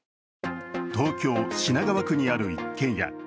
東京・品川区にある一軒家。